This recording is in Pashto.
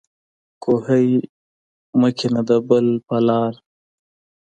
کوهی مه کنده د بل په لار.